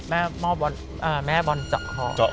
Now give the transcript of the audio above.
แม่บอลเจาะคอ